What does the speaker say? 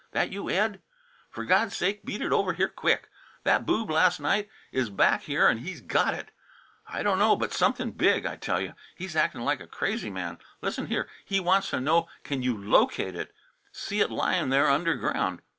"That you, Ed? F'r God's sake, beat it over here quick. That boob las' night is back here an' he's got it. I dunno but something big, I tell you. He's actin' like a crazy man. Listen here! He wants t' know can you locate it see it lyin' there underground.